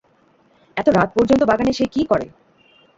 এত রাত পর্যন্ত বাগানে সে কী করে?